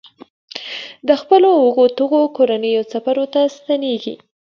د خپلو وږو تږو کورنیو څپرو ته ستنېږي.